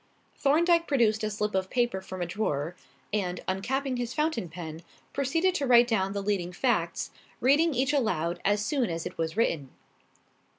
Thorndyke produced a slip of paper from a drawer, and, uncapping his fountain pen, proceeded to write down the leading facts, reading each aloud as soon as it was written.